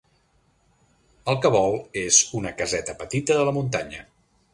El que vol és una caseta petita a la muntanya.